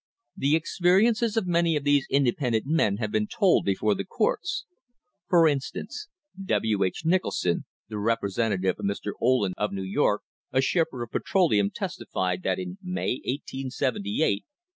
The experiences of many of these independent oil men have been told before the courts. For instance, W. H. Nicholson, the representative of Mr. Ohlen, of New York, a shipper of petroleum, testified * that in May, 1878, he began to have difficulty in getting cars.